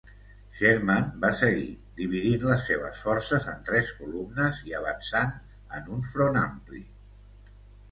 Sherman va seguir, dividint les seves forces en tres columnes i avançant en un front ampli.